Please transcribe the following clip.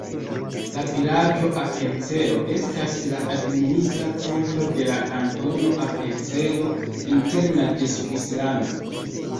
La vilaĝo Apencelo estas la administra centro de la Kantono Apencelo Interna de Svislando.